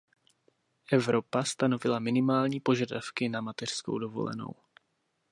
Evropa stanovila minimální požadavky na mateřskou dovolenou.